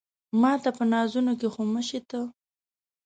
ماته په نازونو کې خو مه شې ته